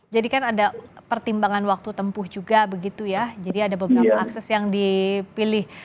jadi kan ada pertimbangan waktu tempuh juga begitu ya jadi ada beberapa akses yang dipilih